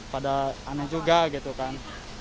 pada aneh juga gitu kan